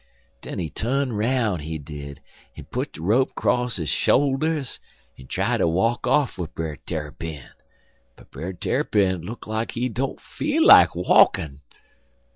Den he tu'n 'roun', he did, en put de rope cross his shoulders en try ter walk off wid Brer Tarrypin, but Brer Tarrypin look like he don't feel like walkin'.